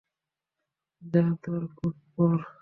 যা, তোর কোট পর!